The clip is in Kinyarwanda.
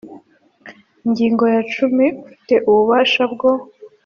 Ingingo ya cumi Ufite ububasha bwo